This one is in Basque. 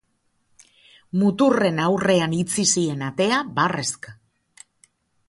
Muturren aurrean itxi zien atea barrezka.